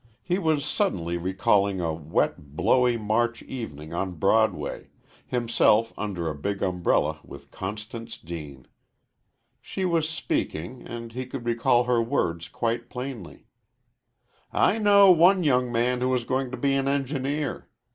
He was suddenly recalling a wet, blowy March evening on Broadway himself under a big umbrella with Constance Deane. She was speaking, and he could recall her words quite plainly: "I know one young man who is going to be an engineer.